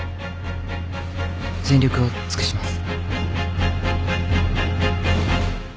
全力を尽くします。